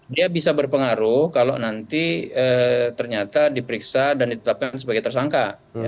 dia bisa berpengaruh kalau nanti ternyata diperiksa dan ditetapkan sebagai tersangka